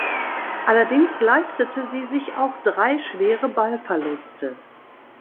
Allerdings leistete sie sich auch drei schwere Ballverluste.